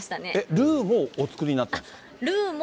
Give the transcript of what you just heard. ルーもお作りになったんですか？